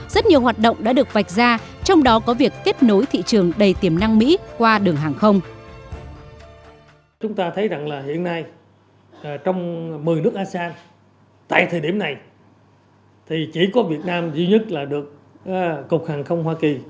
rất nhiều hoạt động đã được vạch ra trong đó có việc kết nối thị trường đầy tiềm năng mỹ qua đường hàng không